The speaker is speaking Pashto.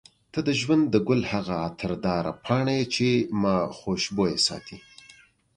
ته د ژوند د ګل هغه عطرداره پاڼه یې چې ما خوشبوینه ساتي.